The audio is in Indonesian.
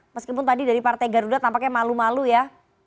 meskipun tadi dari partai garuda tampaknya malu malu ya